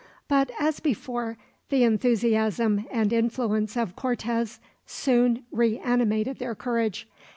But, as before, the enthusiasm and influence of Cortez soon reanimated their courage.